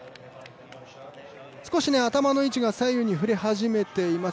少し頭の位置が左右に振れ始めています。